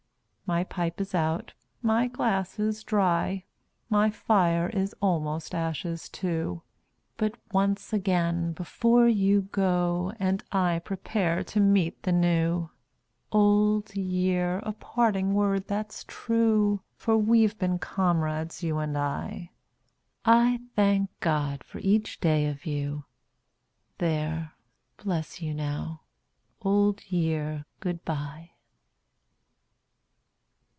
My pipe is out, my glass is dry; My fire is almost ashes too; But once again, before you go, And I prepare to meet the New: Old Year! a parting word that's true, For we've been comrades, you and I I THANK GOD FOR EACH DAY OF YOU; There! bless you now! Old Year, good bye!